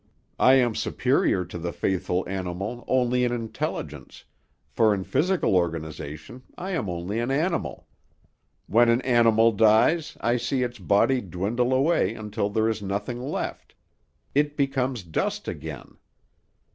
I am superior to the faithful animal only in intelligence, for in physical organization I am only an animal. When an animal dies, I see its body dwindle away until there is nothing left; it becomes dust again.